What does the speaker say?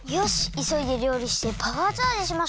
いそいでりょうりしてパワーチャージしましょう！